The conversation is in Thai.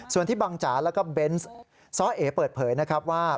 ส่วนที่บังจ๋าแล้วก็เบนส์ซ้อเอเปิดเผยนะครับว่า